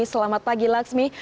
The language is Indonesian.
selamat pagi laksmi